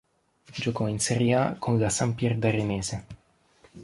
Giocò in Serie A con la Sampierdarenese.